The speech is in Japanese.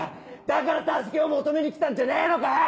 だから助けを求めに来たんじゃねえのかよ！